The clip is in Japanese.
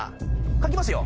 書きますよ。